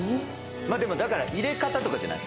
まあでもだから入れ方とかじゃない？